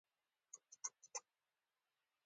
يوازې هغه کسان بل سراى ته ورپرېږدي.